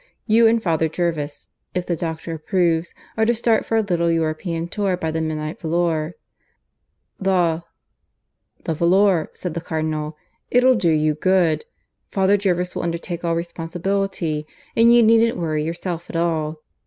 "You and Father Jervis if the doctor approves are to start for a little European tour by the midnight volor." "The ...?" "The volor," said the Cardinal. "It'll do you good. Father Jervis will undertake all responsibility, and you needn't worry yourself at all.